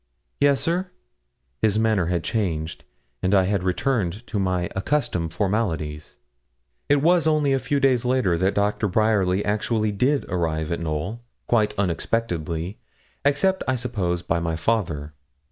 'Yes, sir.' His manner had changed, and I had returned to my accustomed formalities. It was only a few days later that Dr. Bryerly actually did arrive at Knowl, quite unexpectedly, except, I suppose, by my father.